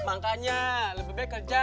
makanya lebih baik kerja